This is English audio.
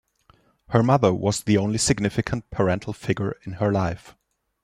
Her mother was the only significant parental figure in her life.